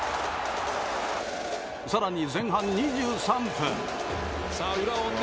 更に前半２３分。